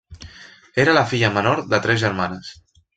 Era la filla menor de tres germanes.